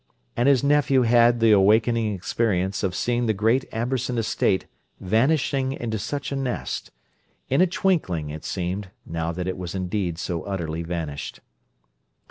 And his nephew had the awakening experience of seeing the great Amberson Estate vanishing into such a nest—in a twinkling, it seemed, now that it was indeed so utterly vanished.